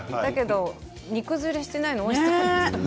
煮崩れしていないのおいしいそうですね。